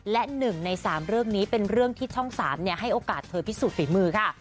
และ๑ใน๓เรื่องนี้เป็นเรื่องที่ช่อง๓ให้โอกาสเธอพิสูจนฝีมือค่ะ